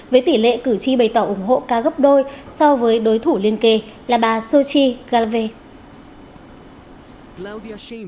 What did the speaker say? với tỷ lệ cử tri bày tỏ ủng hộ ca gấp đôi so với đối thủ liên kỳ là bà xochitl galvez